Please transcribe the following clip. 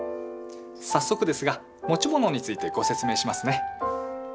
早速ですが持ち物についてご説明しますね。